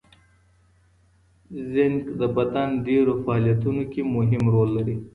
زینک د بدن ډېرو فعالیتونو کې مهم رول لري.